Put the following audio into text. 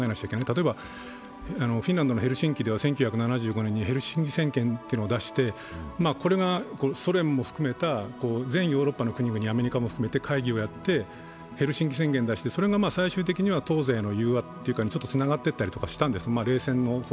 例えばフィンランドのヘルシンキでは１９７５年にヘルシンキ宣言というのを出してこれがソ連も含めた全ヨーロッパの国々、アメリカも含めて会議をやってヘルシンキ宣言を出してそれが最終的には東西の融和にちょっとつながっていったりしたんです。